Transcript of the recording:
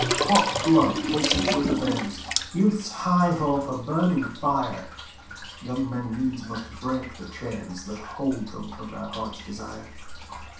Hot blood pulsing through the veins, Youth's high hope a burning fire, Young men needs must break the chains That hold them from their hearts' desire.